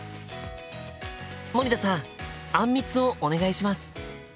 森田さんあんみつをお願いします！